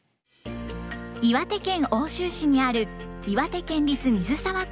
岩手県奥州市にある岩手県立水沢高校。